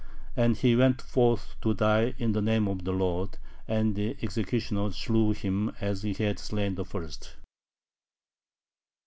And he went forth to die in the name of the Lord, and [the executioner] slew him as he had slain the first.